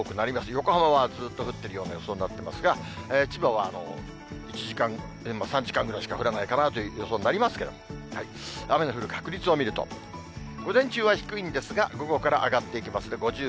横浜はずっと降ってるような予想になっていますが、千葉は３時間ぐらいしか降らないかなという予想になりますけれども、雨の降る確率を見ると、午前中は低いんですが、午後から上がっていきますね。